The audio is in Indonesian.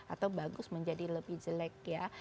atau bagus menjadi lebih jelek ya